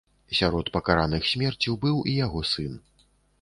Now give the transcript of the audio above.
Сярод пакараных смерцю быў і яго сын.